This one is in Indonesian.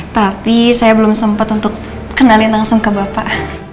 tapi saya belum sempat untuk kenalin langsung ke bapak